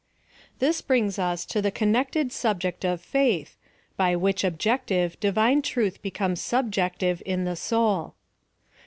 This brings us to the connected subject oi faith^ by which objective Divine Truth becomes subjec tive in the soul.